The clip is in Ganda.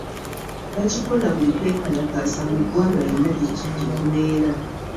Bakikola buli kwekalakaasa mu ggwanga yonna gyekubeera